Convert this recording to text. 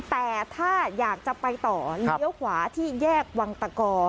แต่ถ้าอยากจะไปต่อเลี้ยวขวาที่แยกวังตะกอ